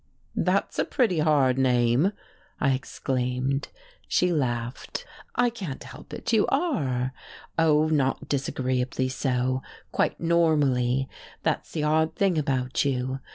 "That's a pretty hard name!" I exclaimed. She laughed. "I can't help it you are. Oh, not disagreeably so, quite normally that's the odd thing about you.